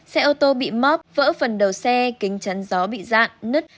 xe ô tô bị móc vỡ phần đầu xe kính chắn gió bị dạn nứt